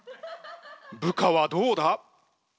部下はどうだ？